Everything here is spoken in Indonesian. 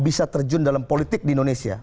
bisa terjun dalam politik di indonesia